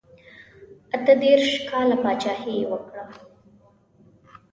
اته دېرش کاله پاچهي یې وکړه.